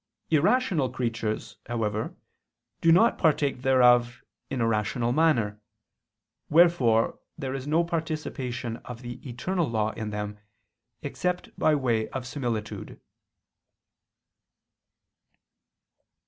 Irrational creatures, however, do not partake thereof in a rational manner, wherefore there is no participation of the eternal law in them, except by way of similitude.